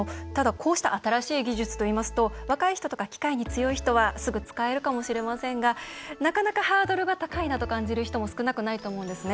こうした新しい技術といいますと若い人とか機械に強い人はすぐに使えるかもしれませんがなかなかハードルが高いなと感じる人も少なくないと思うんですね